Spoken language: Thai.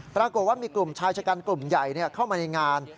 ปรากฏว่ามีกลุ่มชายชะกันกลุ่มใหญ่เข้ามาในงาน